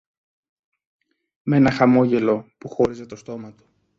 μ' ένα χαμόγελο που χώριζε το στόμα του